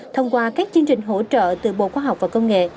thông qua các chương trình hỗ trợ từ bộ khoa học và công nghệ